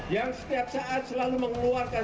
yang setiap saat selalu mengeluarkan